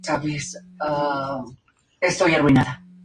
Tuvieron tres hijos: Bertha, Ethel y Miguel.